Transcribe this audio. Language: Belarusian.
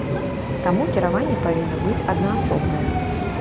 Таму кіраванне павінна быць аднаасобнае.